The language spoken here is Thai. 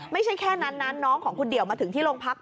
ไม่ใช่แค่นั้นนะน้องของคุณเดี่ยวมาถึงที่โรงพัก